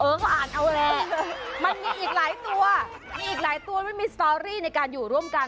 อ่านเอาแหละมันมีอีกหลายตัวมีอีกหลายตัวมันมีสตอรี่ในการอยู่ร่วมกัน